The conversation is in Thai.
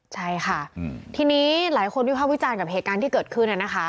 ใช่ค่ะทีนี้หลายคนที่เข้าวิจารณ์กับเหตุการณ์ที่เกิดขึ้น